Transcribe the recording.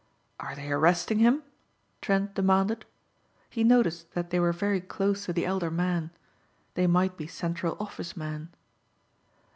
"Are they arresting him?" Parker demanded. He noticed that they were very close to the elder man. They might be Central Office men.